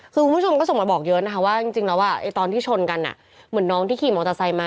คือคุณผู้ชมก็ส่งมาบอกเยอะนะคะว่าจริงแล้วตอนที่ชนกันเหมือนน้องที่ขี่มอเตอร์ไซค์มา